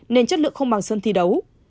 nên chất lượng không bằng sân thi đấu